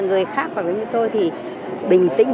người khác hoặc là như tôi thì bình tĩnh